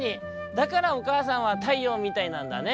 だからおかあさんは太陽みたいなんだね」。